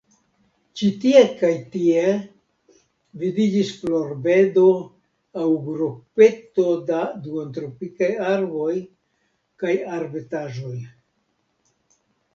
Ĉi tie kaj tie vidiĝis florbedo aŭ grupeto da duontropikaj arboj kaj arbetaĵoj.